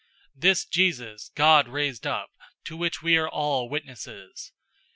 002:032 This Jesus God raised up, to which we all are witnesses.